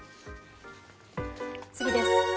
次です。